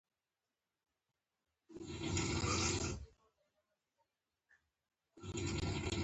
د هرې خبرې یې مخالفت کاوه.